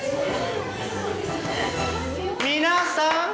皆さん。